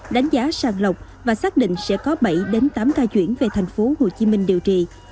đánh giá sàng lọc và xác định sẽ có bảy tám ca chuyển về tp hcm điều trị